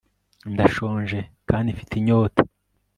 ndashonje kandi mfite inyota